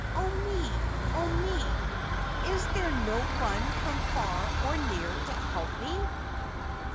Oh, me! Oh, me! Is there no one from far or near to help me?"